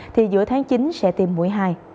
thì giữa tháng chín sẽ tiêm mũi hai